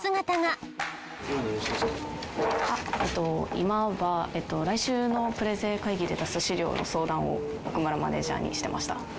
今は来週のプレゼン会議で出す資料の相談を奥村マネージャーにしてました。